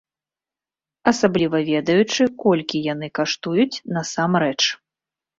Асабліва ведаючы, колькі яны каштуюць насамрэч.